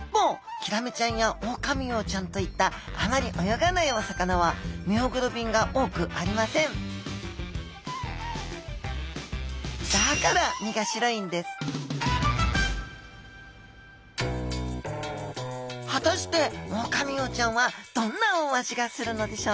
ヒラメちゃんやオオカミウオちゃんといったあまり泳がないお魚はミオグロビンが多くありませんだから身が白いんです果たしてオオカミウオちゃんはどんなお味がするのでしょうか？